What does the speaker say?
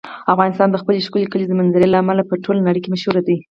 افغانستان د خپلې ښکلې کلیزو منظره له امله په ټوله نړۍ کې مشهور دی.